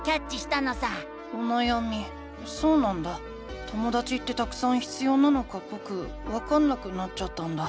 ともだちってたくさん必要なのかぼくわかんなくなっちゃったんだ。